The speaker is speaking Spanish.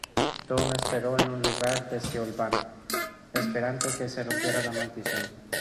Tom se sacrificó en lugar de Siobhan, esperando que se rompiera la maldición.